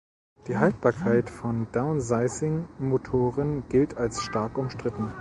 Die Haltbarkeit von Downsizing-Motoren gilt als stark umstritten.